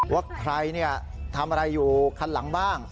ว่าใครทำอะไรอยู่คันหลังบ้าง